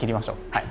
はい。